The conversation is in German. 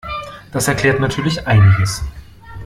Das erklärt natürlich einiges.